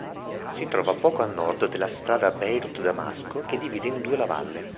Si trova poco a nord della strada Beirut-Damasco, che divide in due la valle.